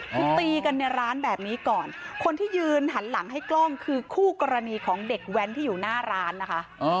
คือตีกันในร้านแบบนี้ก่อนคนที่ยืนหันหลังให้กล้องคือคู่กรณีของเด็กแว้นที่อยู่หน้าร้านนะคะ